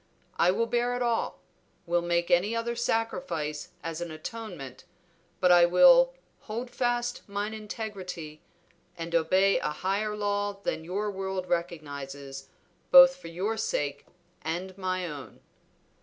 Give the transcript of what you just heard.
I will bear it all, will make any other sacrifice as an atonement, but I will 'hold fast mine integrity' and obey a higher law than your world recognizes, both for your sake and my own."